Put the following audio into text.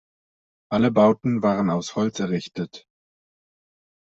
Alle Bauten waren aus Holz errichtet.